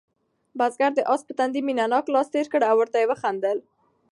بزګر د آس په تندي مینه ناک لاس تېر کړ او ورته ویې خندل.